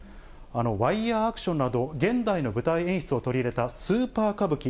ワイヤーアクションなど、現代の舞台演出を取り入れた、スーパー歌舞伎。